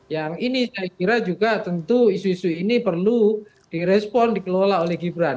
yang ini saya kira juga tentu isu isu ini perlu direspon dikelola oleh gibran